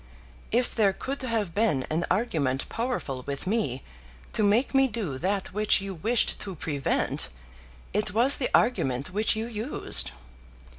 If there could have been an argument powerful with me, to make me do that which you wished to prevent, it was the argument which you used.